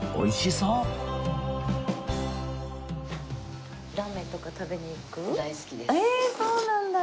そうなんだ。